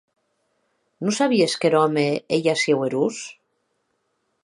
Non sabies qu’er òme ei aciu erós?